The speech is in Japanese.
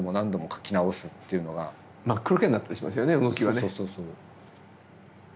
そうそうそう。